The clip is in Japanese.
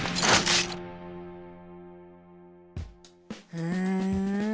うん！